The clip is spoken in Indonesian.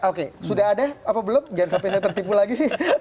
oke sudah ada apa belum jangan sampai saya tertipu lagi